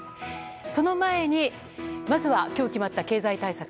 その前に、まずは今日決まった経済対策。